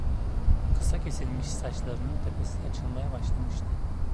Kısa kesilmiş saçlarının tepesi açılmaya başlamıştı.